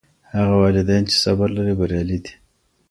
هغه والدین چي صبر لري بریالي دي.